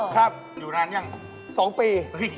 ครับอยู่นานยัง๒ปี